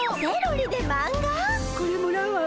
これもらうわ。